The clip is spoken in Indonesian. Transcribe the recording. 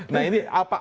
nah ini apa